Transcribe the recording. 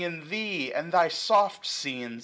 in thee, and thy soft scenes.